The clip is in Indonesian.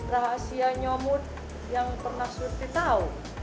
rahasia nyomot yang pernah surti tau